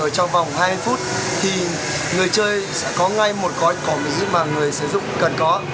trong vòng hai phút thì người chơi sẽ có ngay một gói cỏ mỹ mà người sử dụng cần có